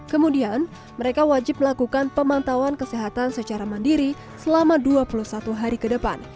kemudian mereka wajib melakukan pemantauan kesehatan secara mandiri selama dua puluh satu hari ke depan